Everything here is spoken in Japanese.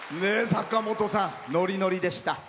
坂本さん、ノリノリでした。